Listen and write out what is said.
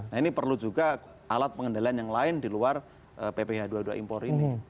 nah ini perlu juga alat pengendalian yang lain di luar pph dua puluh dua impor ini